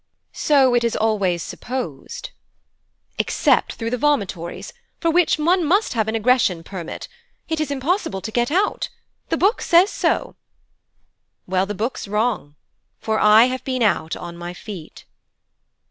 'So it is always supposed.' 'Except through the vomitories, for which one must have an Egression permit, it is impossible to get out. The Book says so.' 'Well, the Book's wrong, for I have been out on my feet.'